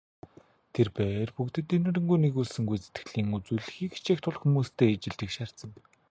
Тэр бээр бүгдэд энэрэнгүй, нигүүлсэнгүй сэтгэлийг үзүүлэхийг хичээх тул хүмүүстэй ижил тэгш харьцана.